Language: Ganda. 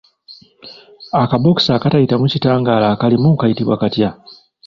Akabokisi akatayitamu kitangaala akalimu kayitibwa katya?